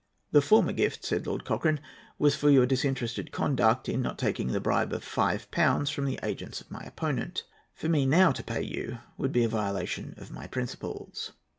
"The former gift," said Lord Cochrane, "was for your disinterested conduct in not taking the bribe of five pounds from the agents of my opponent. For me now to pay you would be a violation of my principles."